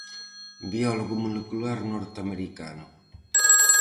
Biólogo molecular norteamericano.